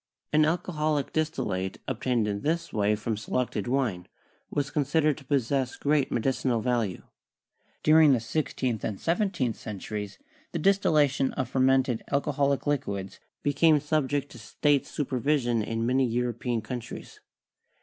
An alcoholic distillate obtained in PERIOD OF MEDICAL MYSTICISM 85 this way from selected wine was considered to possess great medicinal value. During the sixteenth and seventeenth centuries the dis tillation of fermented alcoholic liquids became subject to State supervision in many European countries.